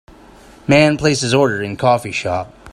Man places order in coffee shop.